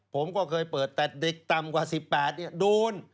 ผมก็เคยเปิดแต่เด็กต่ำกว่า๑๘โดน